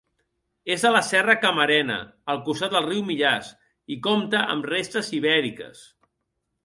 És a la serra Camarena, al costat del riu Millars i compta amb restes ibèriques.